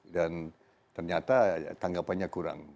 dan ternyata tanggapannya kurang